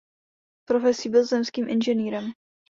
Profesí byl zemským inženýrem.